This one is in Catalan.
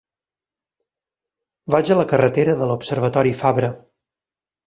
Vaig a la carretera de l'Observatori Fabra.